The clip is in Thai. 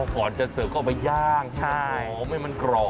อ๋อก่อนจะเสิร์ฟก็เอามาย่าง